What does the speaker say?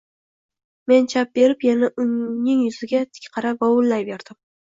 Men chap berib yana uning yuziga tik qarab vovullayverdim